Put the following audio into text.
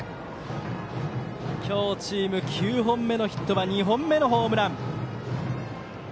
今日チーム９本目のヒットは２本目のホームラン。